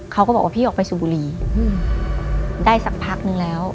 เขาก็บอกว่าพี่ออกไปสูบบุรีได้สักพักนึงแล้ว